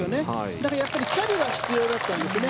だからキャリーは必要だったんですね。